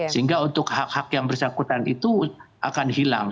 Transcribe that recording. sehingga untuk hak hak yang bersangkutan itu akan hilang